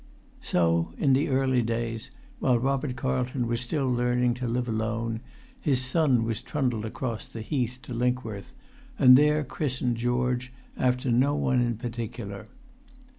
So, in the early days, while Robert Carlton was still learning to live alone, his son was trundled across the heath to Linkworth, and there christened George after no one in particular.